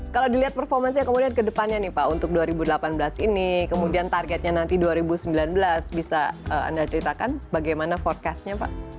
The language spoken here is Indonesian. kalau dilihat performance nya kemudian ke depannya nih pak untuk dua ribu delapan belas ini kemudian targetnya nanti dua ribu sembilan belas bisa anda ceritakan bagaimana forecastnya pak